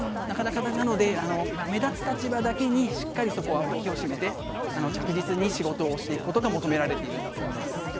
なので、目立つ立場だけにしっかりわきを締めて着実に仕事をすることが求められているんだと思います。